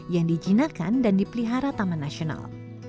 yang dijinakan dan dipelihara taman nasional